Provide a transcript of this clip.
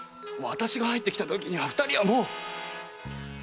私が入ってきたときには二人はもう！